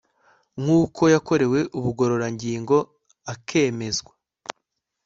nk uko yakorewe ubugororangingo akemezwa